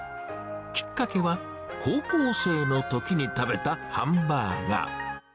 きっかけは、高校生のときに食べたハンバーガー。